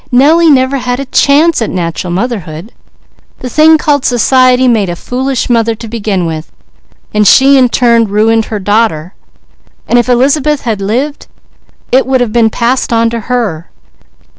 Nellie never had a chance at natural motherhood. The thing called society made a foolish mother to begin with, while she in turn ruined her daughter, and if Elizabeth had lived it would have been passed on to her.